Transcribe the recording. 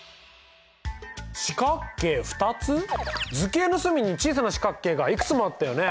図形の隅に小さな四角形がいくつもあったよね？